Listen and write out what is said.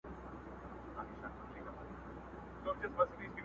لا یې تازه دي د ښاخونو سیوري؛